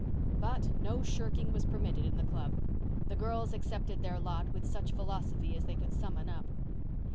But no shirking was permitted in the club. The girls accepted their lot with such philosophy as they could summon up.